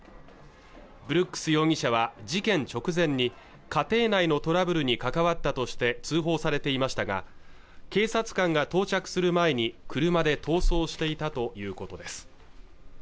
ブルックス容疑者は事件直前に家庭内のトラブルに関わったとして通報されていましたが警察官が到着する前に車で逃走していたということです